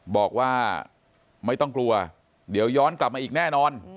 บอกว่าไม่ต้องกลัวเดี๋ยวย้อนกลับมาอีกแน่นอน